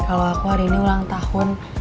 kalau aku hari ini ulang tahun